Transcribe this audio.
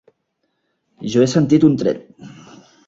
Jo he sentit un tret.